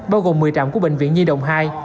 bao gồm một mươi trạm của bệnh viện nhi đồng hai